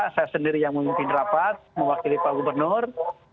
saya sendiri yang memimpin rapat mewakili pak gubernur